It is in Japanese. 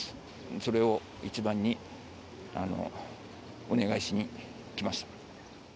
それを一番にお願いしに来ました。